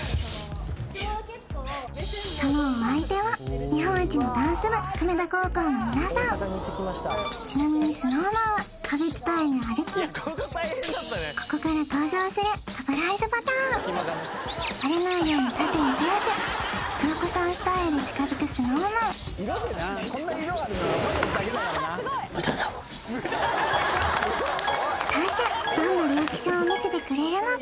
そのお相手は日本一のダンス部久米田高校の皆さんちなみにＳｎｏｗＭａｎは壁伝いに歩きここから登場するバレないように縦１列ひよこさんスタイルで近づくＳｎｏｗＭａｎ果たしてどんなリアクションを見せてくれるのか？